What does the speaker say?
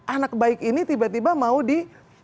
anak baik ini tiba tiba mau di